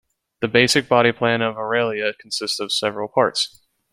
The basic body plan of "Aurelia" consists of several parts.